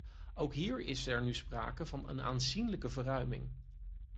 Ook hier is er nu sprake van een aanzienlijke verruiming.